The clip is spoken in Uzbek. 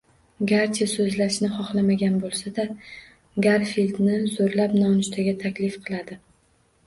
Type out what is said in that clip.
Garchi soʻzlashni xohlamagan boʻlsa-da, Garfildni zoʻrlab nonushtaga taklif qiladi